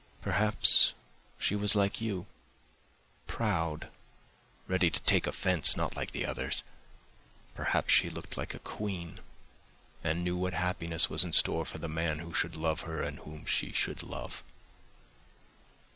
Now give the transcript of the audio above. Perhaps she was like you, proud, ready to take offence, not like the others; perhaps she looked like a queen, and knew what happiness was in store for the man who should love her and whom she should love.